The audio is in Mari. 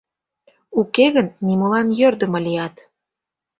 — Уке гын нимолан йӧрдымӧ лият...